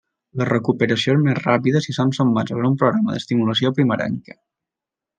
La recuperació és més ràpida si són sotmesos a un programa d'estimulació primerenca.